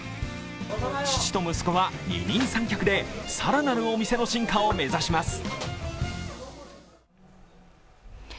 父と息子は二人三脚で更なるお店の進化を目指します。